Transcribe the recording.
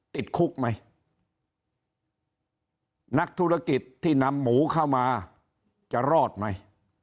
ติดคุกไหมนักธุรกิจที่นำหมูเข้ามาจะรอดไหม